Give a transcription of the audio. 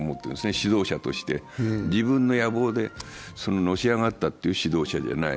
指導者として、自分の野望で、のし上がったという指導者じゃない。